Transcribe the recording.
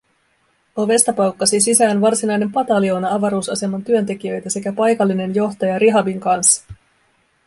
Ovesta paukkasi sisään varsinainen pataljoona avaruusaseman työntekijöitä sekä paikallinen johtaja Rihabin kanssa.